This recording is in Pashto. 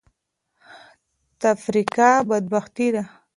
تفرقه بدبختي ده.